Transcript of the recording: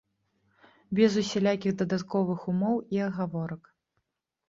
Без усялякіх дадатковых умоў і агаворак.